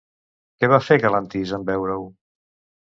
Què va fer Galantis en veure-ho?